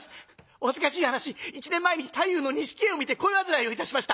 お恥ずかしい話一年前に太夫の錦絵を見て恋煩いをいたしました。